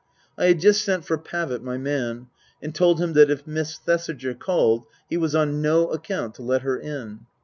I had just sent for Pavitt, my man, and told him that if Miss Thesiger called he was on no account to let her in.